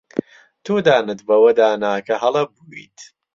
تۆ دانت بەوەدا نا کە هەڵە بوویت.